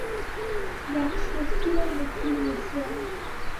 জ্ঞান শক্তি ও মুক্তির মিশ্রণ।